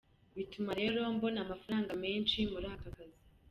Bituma rero mbona amafaranga menshi muri aka kazi.